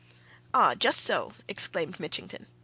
"Ah just so!" exclaimed Mitchington.